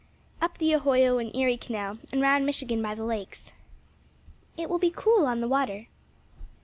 "Up the Ohio and Erie Canal and round Michigan by the lakes." "It will be cool on the water."